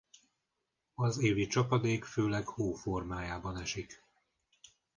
Az évi csapadék főleg hó formájában esik.